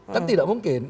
kan tidak mungkin